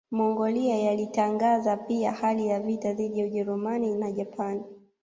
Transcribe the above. Mongolia yalitangaza pia hali ya vita dhidi ya Ujerumani na Japani